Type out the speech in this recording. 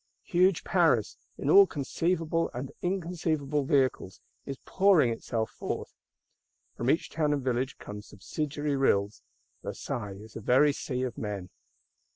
Huge Paris, in all conceivable and inconceivable vehicles, is pouring itself forth; from each Town and Village come subsidiary rills; Versailles is a very sea of men.